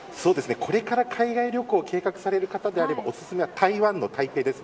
これから海外旅行を計画される方であればお薦めは台湾の台北です。